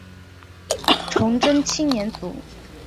崇祯七年卒。